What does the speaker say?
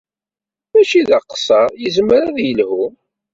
Mačči d aqeṣṣer, yezmer ad yelḥu.